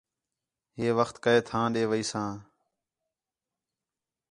ہے وخت کئے تھاں ݙے ویساں